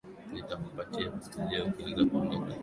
Nitakupatia Bibilia ukianza kuenda kanisani.